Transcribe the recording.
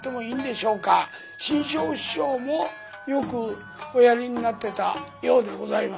志ん生師匠もよくおやりになってたようでございます。